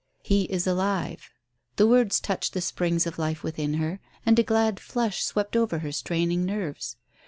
"He is alive." The words touched the springs of life within her and a glad flush swept over her straining nerves.